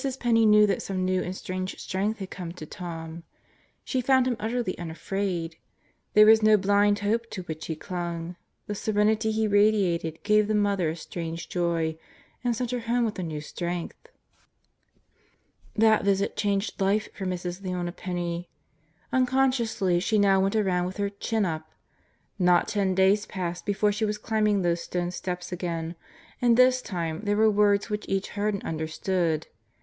Penney knew that some new and strange strength had come to Tom. She found him utterly unafraid. There was no blind hope to which he clung; the serenity he radiated gave the mother a strange joy and sent her home with a new strength. That visit changed life for Mrs. Leona Penney. Unconsciously she now went around with her "chin up." Not ten days passed before she was climbing those stone steps again, and this time there were words which each heard and understood.